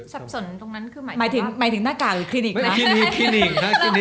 สับสนตรงนั้นคือหมายถึงหมายถึงหน้ากากคลินิกนะคลินิกคลินิก